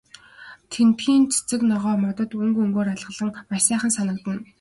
Тэндхийн цэцэг ногоо, модод өнгө өнгөөр алаглан маш сайхан санагдана.